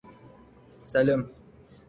"My dearest," he whispered huskily.